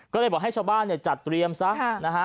ก็เลยบอกให้ชาวบ้านเนี่ยจัดเตรียมซะนะฮะ